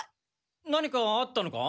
何かあったのか？